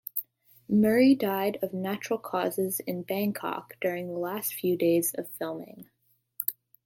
Murray died of natural causes in Bangkok during the last few days of filming.